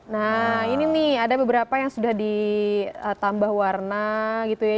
nah ini nih ada beberapa yang sudah ditambah warna gitu ya